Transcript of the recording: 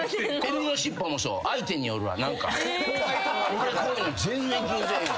俺こういうの全然気にせえへん。